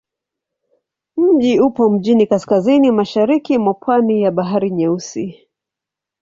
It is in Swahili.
Mji upo mjini kaskazini-mashariki mwa pwani ya Bahari Nyeusi.